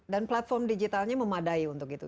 dan platform digitalnya memadai untuk itu